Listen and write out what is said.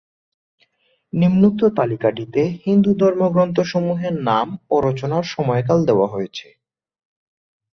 নিম্নোক্ত তালিকাটিতে হিন্দু ধর্মগ্রন্থ সমূহের নাম ও রচনার সময়কাল দেয়া হয়েছে।